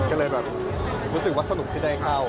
ก็เลยแบบรู้สึกว่าสนุกที่ได้เข้า